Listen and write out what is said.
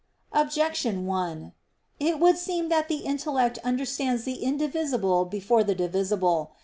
Objection 1: It would seem that the intellect understands the indivisible before the divisible.